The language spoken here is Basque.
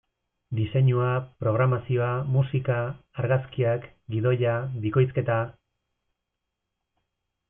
Diseinua, programazioa, musika, argazkiak, gidoia, bikoizketa...